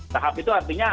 tahap itu artinya